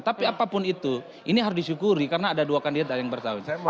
tapi apapun itu ini harus disyukuri karena ada dua kandidat yang bertanggung jawab